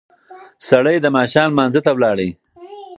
سړی د ماښام لمانځه ته ولاړ.